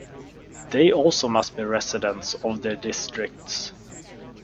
They also must be residents of their districts.